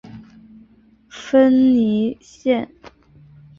芬尼县是美国堪萨斯州西南部的一个县。